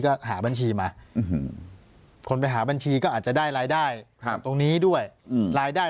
ก็หาบัญชีมาคนไปหาบัญชีก็อาจจะได้รายได้จากตรงนี้ด้วยรายได้